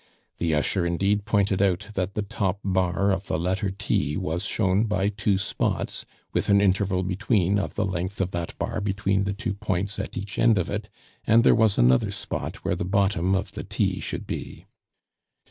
The usher indeed pointed out that the top bar of the letter T was shown by two spots, with an interval between of the length of that bar between the two points at each end of it, and there was another spot where the bottom of the T should be.